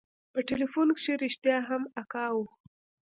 په ټېلفون کښې رښتيا هم اکا و.